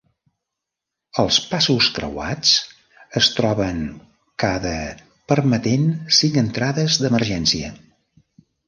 Els passos creuats es troben cada permetent cinc entrades d'emergència.